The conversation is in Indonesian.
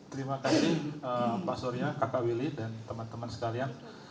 terima kasih pak surya kakak willy dan teman teman sekalian